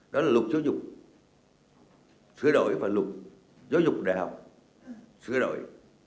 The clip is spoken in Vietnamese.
đó là luật giáo dục sửa đổi và luật giáo dục đại học sửa đổi